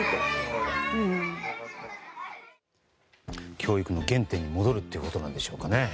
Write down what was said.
教育の原点に戻るということでしょうかね。